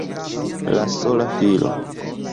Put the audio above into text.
La sola filo!